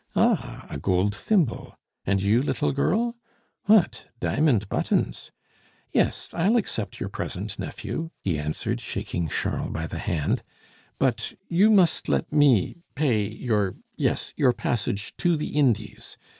"Ah! a gold thimble. And you, little girl? What! diamond buttons? Yes, I'll accept your present, nephew," he answered, shaking Charles by the hand. "But you must let me pay your yes, your passage to the Indies.